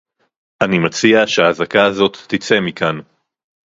אני מציע שהזעקה הזאת תצא מכאן